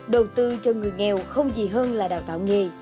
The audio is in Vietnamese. đầu tư cho người nghèo không gì hơn là đào tạo nghề